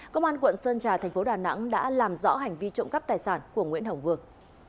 công an quận sơn trà thành phố đà nẵng đã làm rõ hành vi trộm cắp tài sản của nguyễn hồng vương